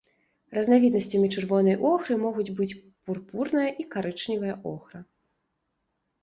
Разнавіднасцямі чырвонай охры могуць быць пурпурная і карычневая охра.